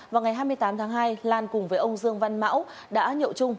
vào ngày hai mươi tám tháng hai lan cùng với ông dương văn mão đã nhậu trung